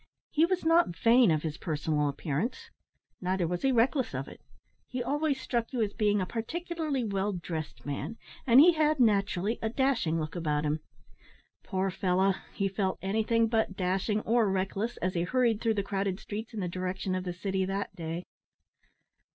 He was not vain of his personal appearance; neither was he reckless of it. He always struck you as being a particularly well dressed man, and he had naturally a dashing look about him. Poor fellow! he felt anything but dashing or reckless as he hurried through the crowded streets in the direction of the city that day.